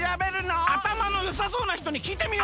あたまのよさそうな人にきいてみよう！